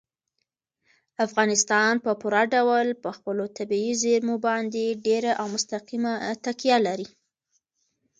افغانستان په پوره ډول په خپلو طبیعي زیرمو باندې ډېره او مستقیمه تکیه لري.